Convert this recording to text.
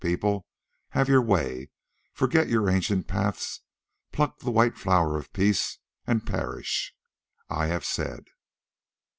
People, have your way, forget your ancient paths, pluck the white flower of peace—and perish! I have said."